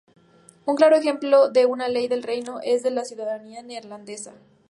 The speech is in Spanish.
Un claro ejemplo de una ley del reino es la de la ciudadanía neerlandesa.